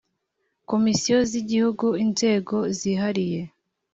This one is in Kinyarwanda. Komisiyo z’Igihugu, Inzego Zihariye